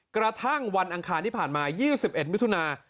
กระทั่งวันอังคารที่ผ่านมา๒๑มิถุนา